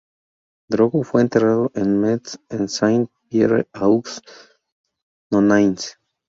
Drogo fue enterrado en Metz en Saint-Pierre-aux-Nonnains.